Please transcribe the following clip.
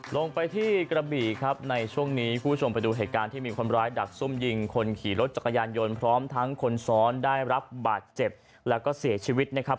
ลงไปที่กระบี่ครับในช่วงนี้คุณผู้ชมไปดูเหตุการณ์ที่มีคนร้ายดักซุ่มยิงคนขี่รถจักรยานยนต์พร้อมทั้งคนซ้อนได้รับบาดเจ็บแล้วก็เสียชีวิตนะครับ